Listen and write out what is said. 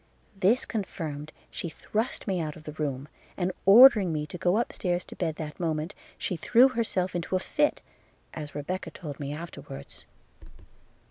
– This confirmed, she thrust me out of the room, and ordering me to go up stairs to bed that moment, she threw herself into a fit, as Rebecca told me afterwards.